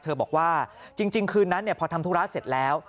บอกว่าจริงคืนนั้นพอทำธุระเสร็จแล้ว